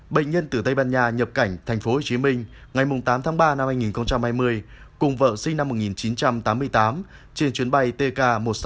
bệnh nhân từ tây ban nha nhập cảnh tp hcm ngày tám tháng ba năm hai nghìn hai mươi cùng vợ sinh năm một nghìn chín trăm tám mươi tám trên chuyến bay tk một trăm sáu mươi tám